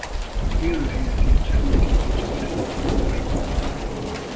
Élőhelyeként főként a nyíltabb tisztásokat kedveli.